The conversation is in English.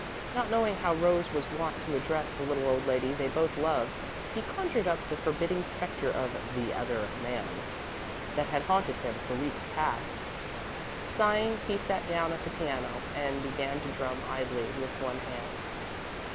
Not knowing how Rose was wont to address the little old lady they both loved, he conjured up the forbidding spectre of The Other Man, that had haunted him for weeks past. Sighing, he sat down at the piano, and began to drum idly, with one hand.